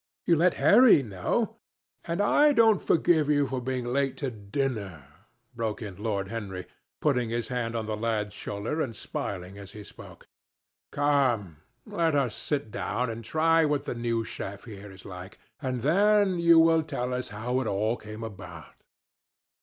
You let Harry know." "And I don't forgive you for being late for dinner," broke in Lord Henry, putting his hand on the lad's shoulder and smiling as he spoke. "Come, let us sit down and try what the new chef here is like, and then you will tell us how it all came about."